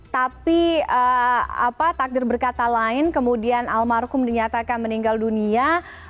tapi takdir berkata lain kemudian almarhum dinyatakan meninggal dunia